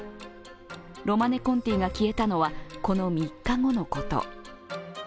ロマネコンティが消えたのはこの３日後のこと。